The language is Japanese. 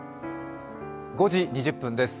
５時２０分です。